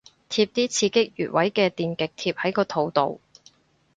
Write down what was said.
貼啲刺激穴位嘅電極貼喺個肚度